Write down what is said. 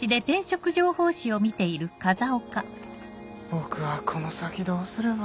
僕はこの先どうすれば。